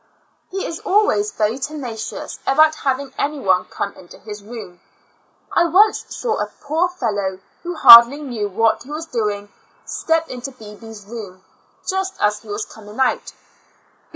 He is always very tenacious about having any one come into his room. I once saw a poor fellow who hardly knew what he was doing, step into Bebee's room just as he was coming out.